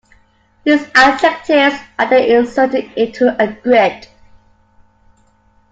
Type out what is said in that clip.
These adjectives are then inserted into a grid.